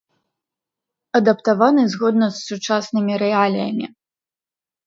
Адаптаваны згодна з сучаснымі рэаліямі.